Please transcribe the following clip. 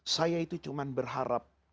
saya itu cuman berharap